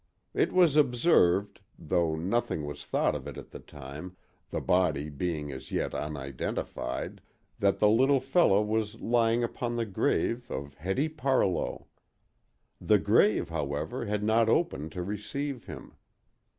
It was observed—though nothing was thought of it at the time, the body being as yet unidentified—that the little fellow was lying upon the grave of Hetty Parlow. The grave, however, had not opened to receive him.